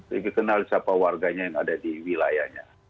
lebih kenal siapa warganya yang ada di wilayahnya